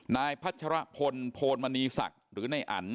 นายพัชรพลโพนมณีศักดิ์หรือนายอัน